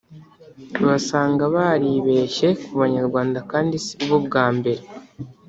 Basanga baribeshye ku banyarwanda kandi sibwo bwa mbere